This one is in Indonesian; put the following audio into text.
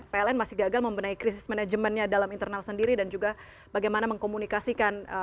pln masih gagal membenahi krisis manajemennya dalam internal sendiri dan juga bagaimana mengkomunikasikan